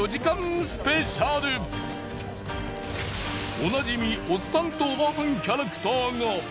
おなじみおっさんとおばはんキャラクターが。